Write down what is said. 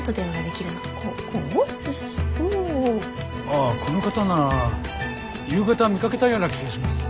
ああこの方なら夕方見かけたような気がします。